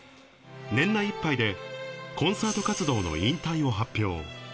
年内いっぱいでコンサート活動の引退を発表。